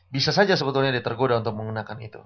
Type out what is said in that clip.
bisa saja sebetulnya dia tergoda untuk menggunakan itu